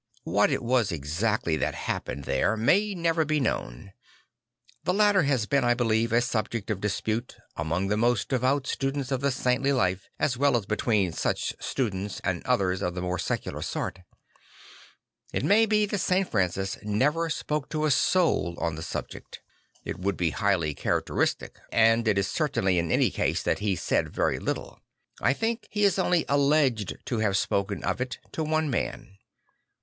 What it was exactly that happened there may never be known. The matter has been, I believe, a subject of dispute among the most devout students of the saintly life as well as between such students and others of the more secular sort. It may be that St. Francis never spoke to a soul Qn the subject; it would be highly characteristic, 'I he Mirror of Christ IS I and it is certain in any case that he said very little; I think he is only alleged to have spoken of it to one man.